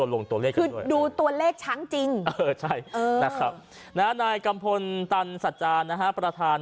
แล้วจัดจะมองลายตา